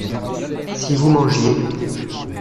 Si vous mangiez.